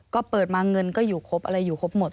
ก็เปิดมาเงินก็อยู่ครบอะไรอยู่ครบหมด